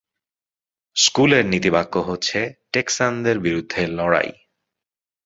স্কুলের নীতিবাক্য হচ্ছে "টেক্সানদের বিরুদ্ধে লড়াই"।